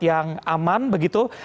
yang aman begitu